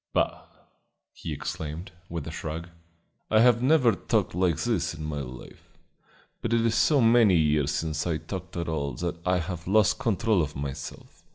"Bah!" he exclaimed, with a shrug. "I have never talked like this in my life, but it is so many years since I talked at all that I have lost control of myself.